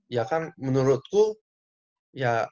ya kan menurutku ya